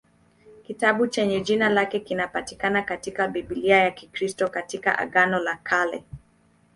Kitabu chenye jina lake kinapatikana katika Biblia ya Kikristo katika Agano la Kale.